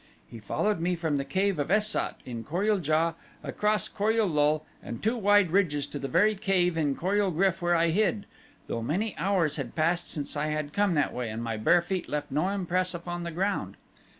He followed me from the cave of Es sat in Kor ul JA across Kor ul lul and two wide ridges to the very cave in Kor ul GRYF where I hid, though many hours had passed since I had come that way and my bare feet left no impress upon the ground.